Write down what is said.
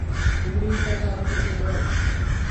তুমি তার ত্বক কেটে সরাও।